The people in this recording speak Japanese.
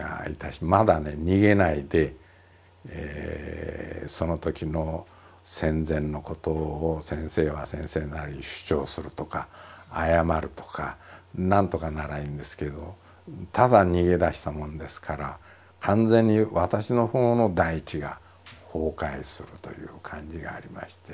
まだね逃げないでそのときの戦前のことを先生は先生なりに主張するとか謝るとかなんとかならいいんですけどただ逃げ出したもんですから完全に私のほうの大地が崩壊するという感じがありまして。